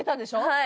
はい。